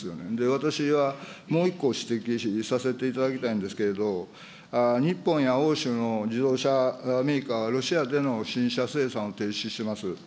私はもう一個指摘させていただきたいんですけれども、日本や欧州の自動車メーカーはロシアでの新車生産を停止してます。